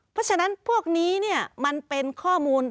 เพราะฉะนั้นพวกนี้มันเป็นข้อมูล